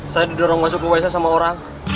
saya didorong masuk ke wc sama orang